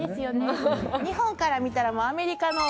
日本から見たらアメリカの。